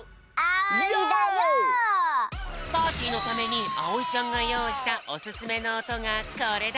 パーティーのためにあおいちゃんがよういしたオススメのおとがこれだ！